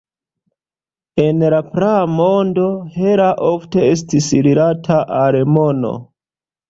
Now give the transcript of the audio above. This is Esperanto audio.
En la praa mondo Hera ofte estis rilata al mono.